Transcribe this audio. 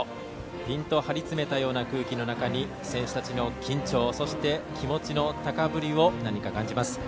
ぴんと張り詰めたような空気の中に選手たちの緊張そして気持ちの高ぶりを何か感じます。